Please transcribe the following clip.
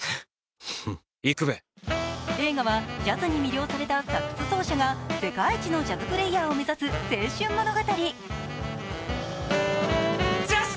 映画はジャズに魅了されたサックス奏者が世界一のジャズプレイヤーを目指す青春物語。